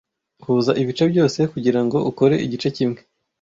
Huza ibice byose kugirango ukore igice kimwe.